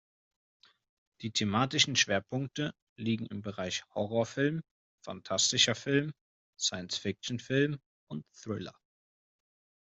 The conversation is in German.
Die thematischen Schwerpunkte liegen im Bereich Horrorfilm, Phantastischer Film, Science-Fiction-Film und Thriller.